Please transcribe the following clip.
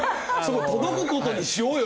「届く事にしようよ」